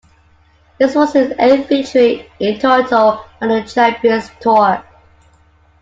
This was his eighth victory in total on the Champions Tour.